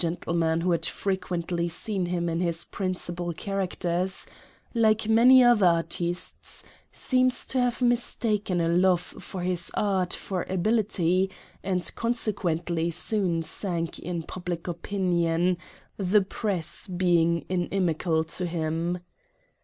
tleman who had frequently seen him in his principal cha racters, " like many other artistes, seems to have mistaken a love of his art for ability, and consequently soon sank in public opinion, the press being inimical to him.